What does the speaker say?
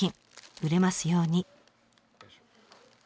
売れますように。